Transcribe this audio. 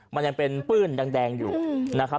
มันยังเป็นปื้นแดงอยู่นะครับ